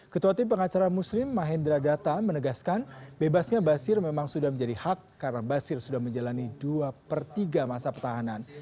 ketua tim pengacara muslim mahendra data menegaskan bebasnya basir memang sudah menjadi hak karena basir sudah menjalani dua per tiga masa pertahanan